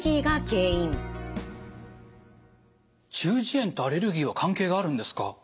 中耳炎とアレルギーは関係があるんですか。